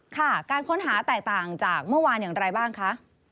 ค่ะการค้นหาแตกต่างจากเมื่อวานอย่างไรบ้างคะ